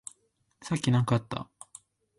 さっき何かあった？